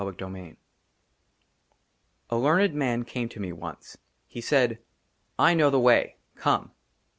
20 »«", XX A LEARNED MAN CAME TO ME ONCE. HE SAID, " I KNOW THE WAY, COME."